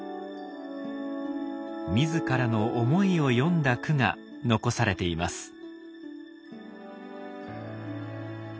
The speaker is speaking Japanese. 自らの思いを詠んだ句が残されています。